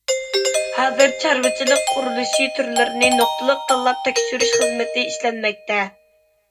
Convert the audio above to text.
ھازىر چارۋىچىلىق قۇرۇلۇشى تۈرلىرىنى نۇقتىلىق تاللاپ تەكشۈرۈش خىزمىتى ئىشلەنمەكتە.